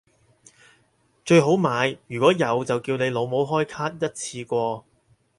最好買如果有就叫你老母開卡一次過